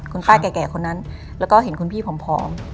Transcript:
คุณป้าแก่คนนั้นแล้วก็เห็นคุณพี่ผอม